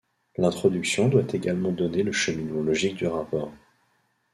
L'introduction doit également donner le cheminement logique du rapport.